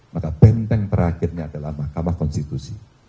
maka benteng terakhirnya adalah mahkamah konstitusi